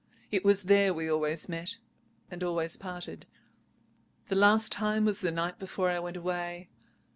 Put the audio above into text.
It was there we always met and always parted. The last time was the night before I went away.